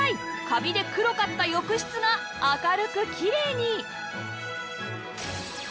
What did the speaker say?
カビで黒かった浴室が明るくきれいに！